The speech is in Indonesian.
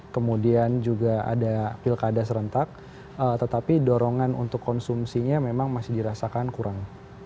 kemudian juga ada pilkada serentak tetapi dorongan untuk konsumsinya memang masih dirasakan kurang